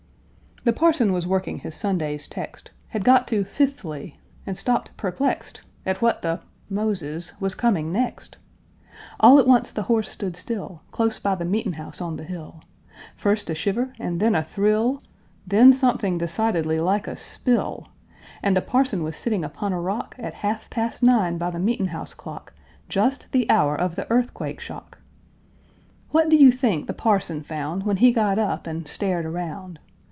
The parson was working his Sunday's text, Had got to fifthly, and stopped perplexed At what the Moses was coming next. All at once the horse stood still, Close by the meet'n' house on the hill. First a shiver, and then a thrill, Then something decidedly like a spill, And the parson was sitting upon a rock, At half past nine by the meet'n' house clock, Just the hour of the Earthquake shock! What do you think the parson found, When he got up and stared around?